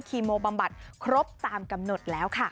คีโมบำบัดครบตามกำหนดแล้วค่ะ